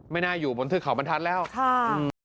น่าอยู่บนเทือกเขาบรรทัศน์แล้วค่ะอืม